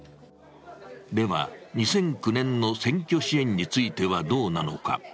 では、２００９年の選挙支援についてはどうなのか。